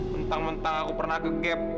bentang bentang aku pernah kegep